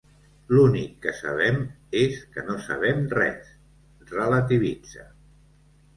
L'únic que sabem és que no sabem res —relativitza.